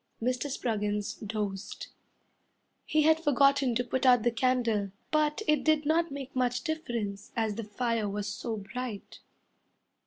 Mr. Spruggins dozed. He had forgotten to put out the candle, But it did not make much difference as the fire was so bright...